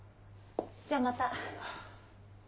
じゃあまた。